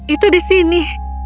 itu di sini